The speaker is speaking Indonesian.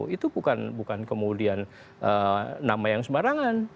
itu bukan kemudian nama yang sembarangan